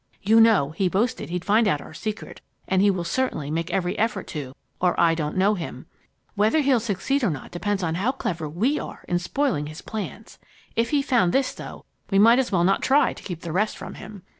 You know, he boasted he'd find out our secret, and he will certainly make every effort to, or I don't know him. Whether he'll succeed or not depends upon how clever we are in spoiling his plans. If he found this, though, we might as well not try to keep the rest from him.